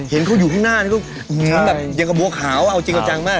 เห็นเขาอยู่ข้างหน้ายังกระบวะขาวเอาจริงกว่าจังมาก